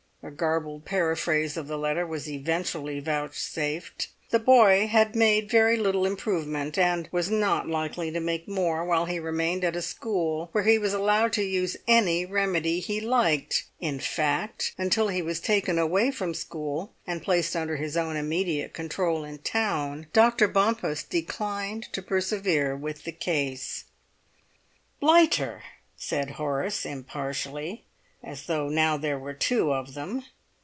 A garbled paraphrase of the letter was eventually vouchsafed; the boy had made very little improvement, and was not likely to make more while he remained at a school where he was allowed to use any remedy he liked; in fact, until he was taken away from school, and placed under his own immediate control in town, Dr. Bompas declined to persevere with the case. "Blighter!" said Horace impartially, as though now there were two of them.